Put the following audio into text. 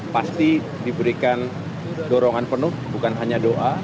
pasti diberikan dorongan penuh bukan hanya doa